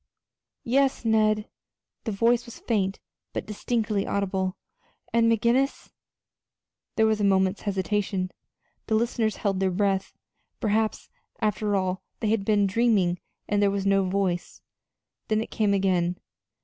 "Yes, Ned." The voice was faint, but distinctly audible. "And McGinnis?" There was a moment's hesitation. The listeners held their breath perhaps, after all, they had been dreaming and there was no voice! Then it came again.